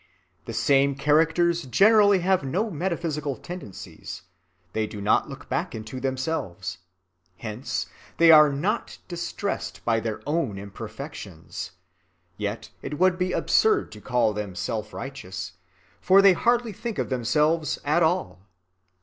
The same characters generally have no metaphysical tendencies: they do not look back into themselves. Hence they are not distressed by their own imperfections: yet it would be absurd to call them self‐righteous; for they hardly think of themselves at all.